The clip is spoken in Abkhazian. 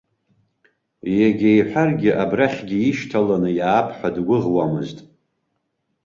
Егьа иҳәаргьы, абрахьгьы ишьҭаланы иаап ҳәа дгәыӷуамызт.